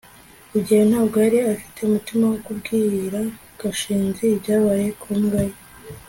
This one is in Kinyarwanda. rugeyo ntabwo yari afite umutima wo kubwira gashinzi ibyabaye ku mbwa ye